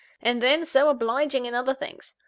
And then, so obliging in other things.